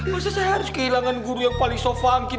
masa saya harus kehilangan guru yang paling sofangki dan